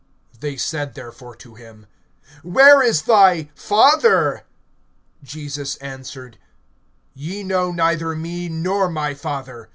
(19)They said therefore to him: Where is thy Father? Jesus answered: Ye know neither me, nor my Father.